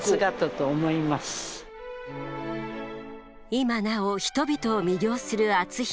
今なお人々を魅了する篤姫。